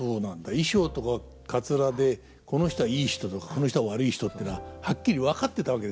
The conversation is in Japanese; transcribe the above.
衣装とかかつらでこの人はいい人この人は悪い人ってのははっきり分かってたわけですね。